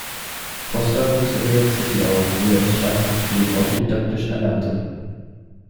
Foster wuchs in New York City auf, wo er das Schlagzeugspiel autodidaktisch erlernte.